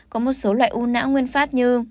có một số loại u não nguyên phát như